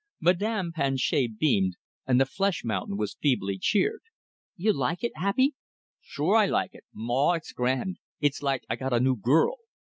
Madame Planchet beamed, and the flesh mountain was feebly cheered. "You like it, Abey?" "Sure, I like it! Maw, it's grand! It's like I got a new girl!